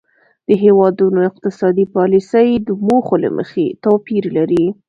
د هیوادونو اقتصادي پالیسۍ د موخو له مخې توپیر لري